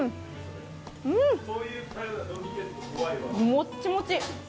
もっちもち。